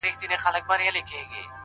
د شرابو د خُم لوري جام له جمه ور عطاء که